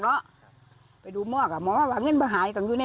ถ้าไม่เห็นมากนะ